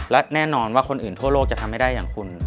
และแน่นอนว่าคนอื่นทั่วโลกจะทำให้ได้อย่างคุณ